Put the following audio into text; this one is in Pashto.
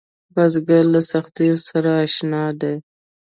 بزګر له سختیو سره اشنا دی